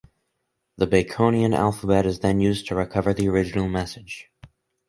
The Baconian alphabet is then used to recover the original message.